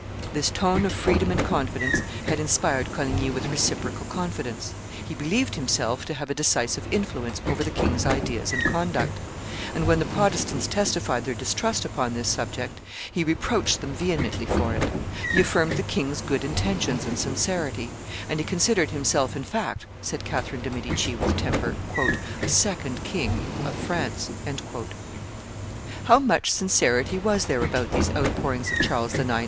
This tone of freedom and confidence had inspired Coligny with reciprocal confidence; he believed himself to have a decisive influence over the king's ideas and conduct; and when the Protestants testified their distrust upon this subject, he reproached them vehemently for it; he affirmed the king's good intentions and sincerity; and he considered himself in fact, said Catherine de' Medici with temper, "a second king of France." How much sincerity was there about these outpourings of Charles IX.